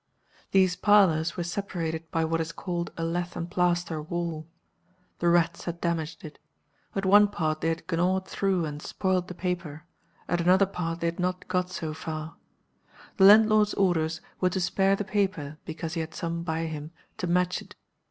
"These parlors were separated by what is called a 'lath and plaster wall.' The rats had damaged it. At one part they had gnawed through and spoiled the paper, at another part they had not got so far. The landlord's orders were to spare the paper, because he had some by him to match it.